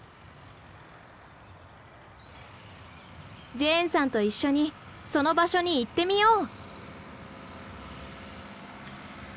ジェーンさんと一緒にその場所に行ってみよう。